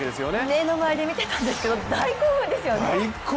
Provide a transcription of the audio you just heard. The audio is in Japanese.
目の前で見てたんですけど、大興奮ですよね。